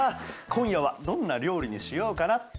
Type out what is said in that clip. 今夜はどんな料理にしようかな。